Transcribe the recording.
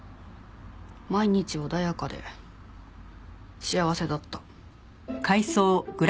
毎日穏やかで幸せだった。